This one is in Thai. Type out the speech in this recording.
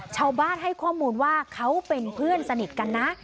ชาวบ้านให้ข้อมูลว่าเขาเป็นเพื่อนสนิทกันนะ